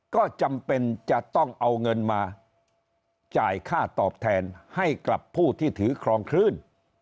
ก็จำเป็นจะต้องเอาเงินมาจ่ายค่าตอบแทนให้กับผู้ที่ถือครองคลื่น